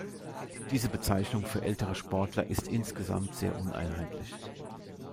Diese Bezeichnung für ältere Sportler ist insgesamt sehr uneinheitlich.